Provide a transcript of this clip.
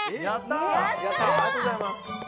ありがとうございます！